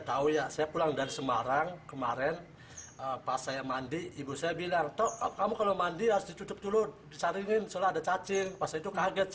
air mandi harus dicucup dulu disaringin soalnya ada cacing pas itu kaget saya